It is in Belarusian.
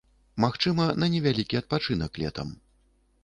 Магчыма, на невялікі адпачынак летам.